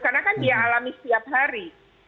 karena kan dia alami setiap hari